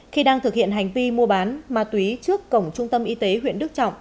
khi đang thực hiện hành vi mua bán ma túy trước cổng trung tâm y tế huyện đức trọng